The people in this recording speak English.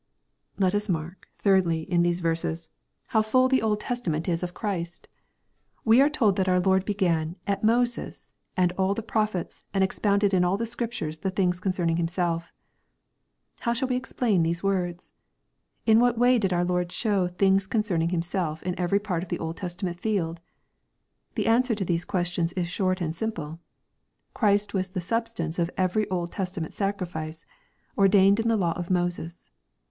Let us mark, thirdly, in these verses, how full, the Old LUKE, CHAP. XXIV. 501 Testament is of Christ. We are told that our Lord be gan " at Moses and all the prophets, and expounded in all the Scriptures the things concerning himself/' How shall we explain these words ? In what way did our Lord show "things concerning himself," in every part of the Old Testament field ? The answer to these ques tions is short and simple. Christ was the substance of every Old Testament sacrifice, ordained in the law of Moses.